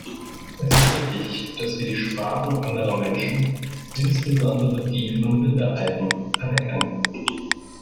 Es ist wichtig, dass wir die Sprachen anderer Menschen, insbesondere die von Minderheiten, anerkennen.